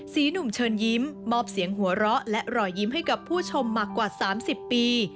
หนุ่มเชิญยิ้มมอบเสียงหัวเราะและรอยยิ้มให้กับผู้ชมมากว่า๓๐ปี